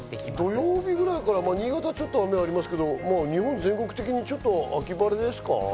土曜日くらいから新潟はちょっと雨がありますけど、全国的に秋晴れですか？